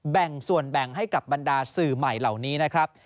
แบ่งส่วนแบ่งให้กับบรรดาสื่อใหม่เหล่านี้นะครับ